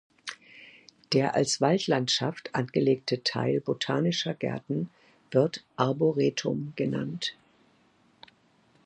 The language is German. Der als Waldlandschaft angelegte Teil botanischer Gärten wird Arboretum genannt.